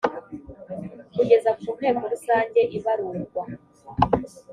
kugeza ku nteko rusange ibarurwa